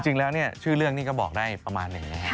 จริงแล้วชื่อเรื่องนี้ก็บอกได้ประมาณอย่างนี้